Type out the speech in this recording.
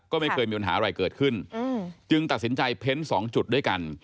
ก็ไม่เคยมีปัญหาอะไรเกิดขึ้นจึงตัดสินใจเพ้นสองจุดด้วยกัน